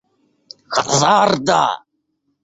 hazarda